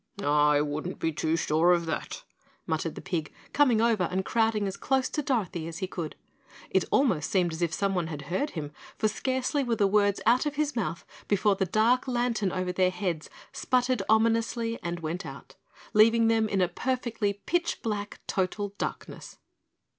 "I wouldn't be too sure of that," muttered the pig, coming over and crowding as close to Dorothy as he could. It almost seemed as if someone had heard him, for scarcely were the words out of his mouth before the dark lantern over their heads sputtered ominously and went out, leaving them in a perfectly pitch black total darkness.